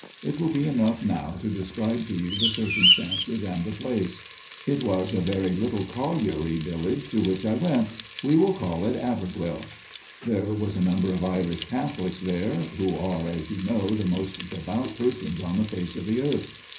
It will be enough now to describe to you the circumstances and the place. It was a little colliery village to which I went, we will call it Abergwyll. of Irish Catholics there who are, as you know, the most devout persons on the face of the earth.